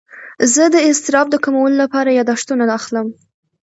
زه د اضطراب د کمولو لپاره یاداښتونه اخلم.